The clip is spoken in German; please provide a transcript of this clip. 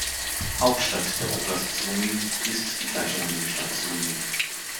Hauptstadt der Oblast Sumy ist die gleichnamige Stadt Sumy.